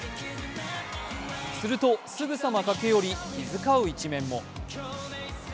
すると、すぐさま駆け寄り気遣う一面も。